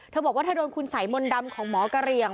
บอกว่าเธอโดนคุณสัยมนต์ดำของหมอกระเหลี่ยง